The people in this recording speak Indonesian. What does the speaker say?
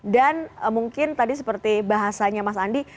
dan mungkin tadi seperti bahasanya mas andi